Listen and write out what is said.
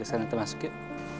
kita masuk yuk